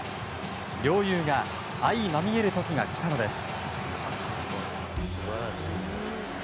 両雄が相まみえる時が来たのです。